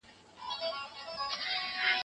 ناروغي د بدو ارواح اثر ګڼل کيده.